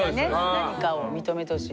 何かを認めてほしい。